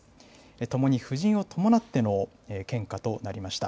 ともに夫人を伴っての献花となりました。